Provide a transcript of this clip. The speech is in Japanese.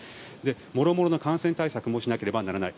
もろもろの感染対策もしなければならない。